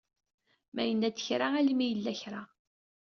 Ma yenna-d kra almi yella kra.